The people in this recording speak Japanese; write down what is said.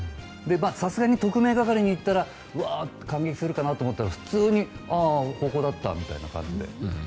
さすがに特命係に行ったら感激するかなと思ったら普通にここだったみたいな感じで。